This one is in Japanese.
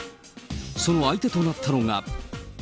その相手となったのが。